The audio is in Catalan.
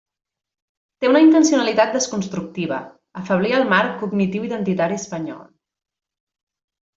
Té una intencionalitat desconstructiva: afeblir el marc cognitiu-identitari espanyol.